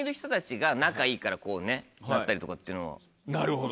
なるほど。